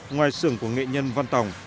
ngoài xưởng của nghệ nhân văn tòng